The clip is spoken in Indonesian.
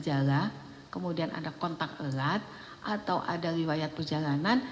ada kontak erat atau ada riwayat perjalanan